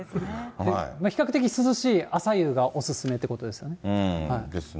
比較的涼しい朝夕がお勧めということですね。ですね。